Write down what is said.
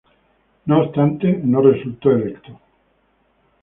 No obstante, no resultó electo.